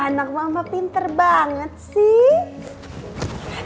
anak mama pinter banget sih